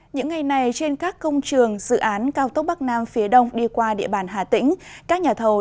những ngày này trên các công trường dự án cao tốc bắc nam phía đông đi qua địa bàn hà tĩnh